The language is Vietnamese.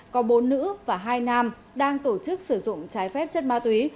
có bốn nữ và hai nam đang tổ chức sử dụng trái phép chất ma túy